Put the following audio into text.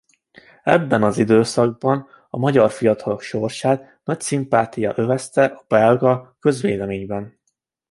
Ebben az időszakban a magyar fiatalok sorsát nagy szimpátia övezte a belga közvéleményben.